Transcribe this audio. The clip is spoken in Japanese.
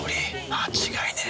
間違いねえ。